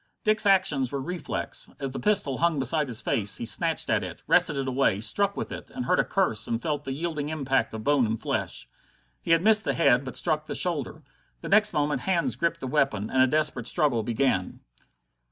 Dick's actions were reflex. As the pistol hung beside his face, he snatched at it, wrested it away, struck with it, and heard a curse and felt the yielding impact of bone and flesh. He had missed the head but struck the shoulder. Next moment hands gripped the weapon, and a desperate struggle began.